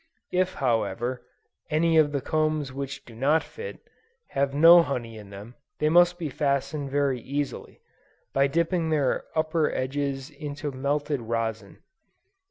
If however, any of the combs which do not fit, have no honey in them, they may be fastened very easily, by dipping their upper edges into melted rosin.